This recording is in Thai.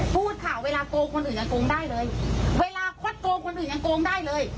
พูดค่ะเวลาโกงคนอื่นยังโกงได้เลยเวลาคดโกงคนอื่นยังโกงได้เลย